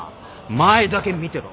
前だけ見てろ。